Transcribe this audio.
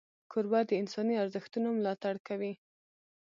کوربه د انساني ارزښتونو ملاتړ کوي.